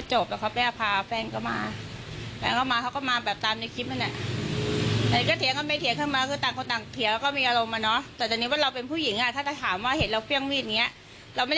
จ๋อยจ๋อยมา